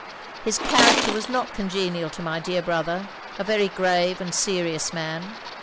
His character was not congenial to my dear brother, a very grave and serious man.